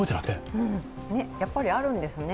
やっぱりあるんですね。